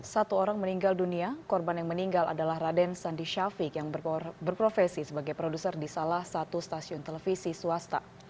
satu orang meninggal dunia korban yang meninggal adalah raden sandi shafiq yang berprofesi sebagai produser di salah satu stasiun televisi swasta